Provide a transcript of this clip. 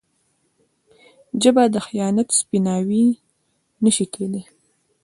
ژبه د خیانت سپیناوی نه شي کېدای.